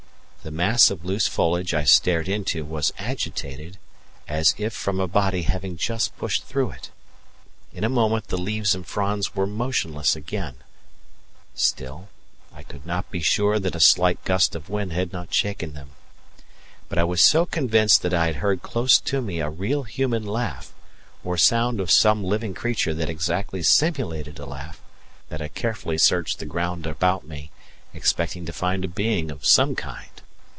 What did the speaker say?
The mass of loose foliage I stared into was agitated, as if from a body having just pushed through it. In a moment the leaves and fronds were motionless again; still, I could not be sure that a slight gust of wind had not shaken them. But I was so convinced that I had heard close to me a real human laugh, or sound of some living creature that exactly simulated a laugh, that I carefully searched the ground about me, expecting to find a being of some kind.